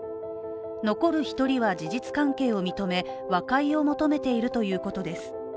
残る１人は事実関係を認め、和解を求めているということです。